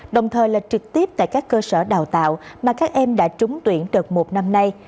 đồng thời là trực tiếp tại các cơ sở đào tạo mà các em đã trúng tuyển đợt một năm nay